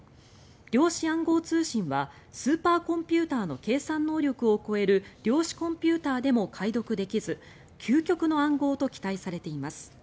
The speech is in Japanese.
量子暗号通信はスーパーコンピューターの計算能力を超える量子コンピューターでも解読できず究極の暗号と期待されています。